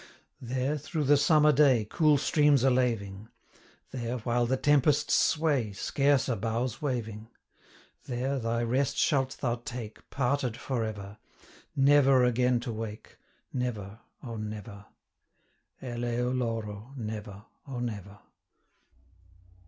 There, through the summer day, Cool streams are laving; There, while the tempests sway, Scarce are boughs waving; 160 There, thy rest shalt thou take, Parted for ever, Never again to wake, Never, O never! CHORUS. Eleu loro, &c. Never, O never!